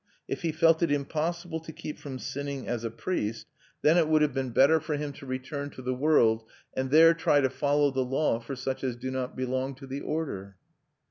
If he felt it impossible to keep from sinning as a priest, then it would have been better for him to return to the world, and there try to follow the law for such as do not belong to the Order."